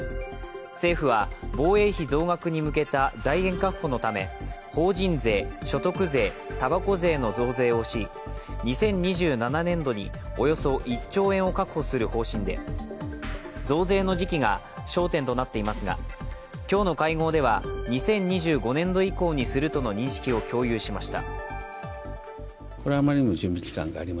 政府は防衛費増額に向けた財源確保のため法人税、所得税、たばこ税の増税をし２０２７年度に、およそ１兆円を確保する方針で増税の時期が焦点となっていますが、今日の会合では２０２５年度以降にするとの認識を共有しました。